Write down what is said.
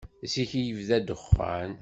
Zik i yebda ddexxan.